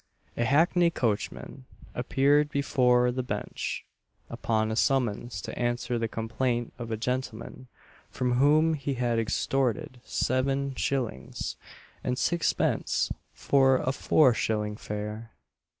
A hackney coachman appeared before the Bench, upon a summons to answer the complaint of a gentleman from whom he had extorted seven shillings and sixpence for a four shilling fare!